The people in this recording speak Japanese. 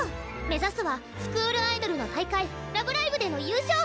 目指すはスクールアイドルの大会「ラブライブ！」での優勝！